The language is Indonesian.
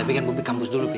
tapi kan bu di kampus dulu bi